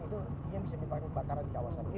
itu bisa menjadi kebakaran di kawasan ini